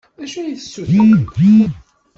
D acu ad d-tessutrem?